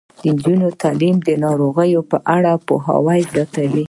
د نجونو تعلیم د ناروغیو په اړه پوهاوی زیاتوي.